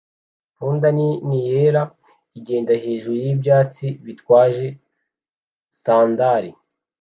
Poodle nini yera igenda hejuru yibyatsi bitwaje sandali